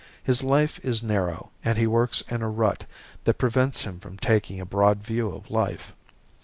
His life is narrow and he works in a rut that prevents him from taking a broad view of life.